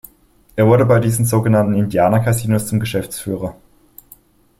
Er wurde bei diesen sogenannten "Indianer-Casinos" zum Geschäftsführer.